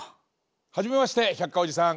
はじめまして百科おじさん。